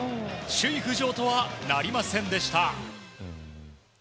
首位浮上とはなりませんでした。